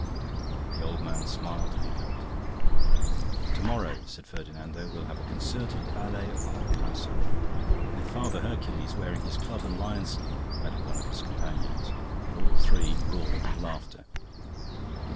The old man smiled and hiccoughed. 'To morrow,' said Ferdinando, 'we'll have a concerted ballet of the whole household.' 'With father Hercules wearing his club and lion skin,' added one of his companions, and all three roared with laughter.